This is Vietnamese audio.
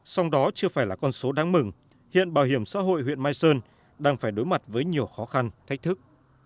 song đó chưa phải là con số đáng mừng hiện bảo hiểm xã hội huyện mai sơn đang phải đối mặt với nhiều khó khăn thách thức